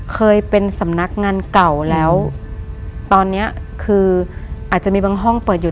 เคยเป็นสำนักงานเก่าแล้วตอนเนี้ยคืออาจจะมีบางห้องเปิดอยู่